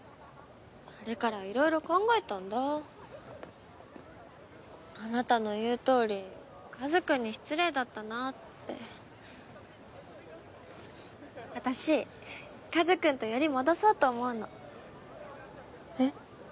あれからいろいろ考えたんだあなたの言うとおり和くんに失礼だったなって私和くんとより戻そうと思うのえっ？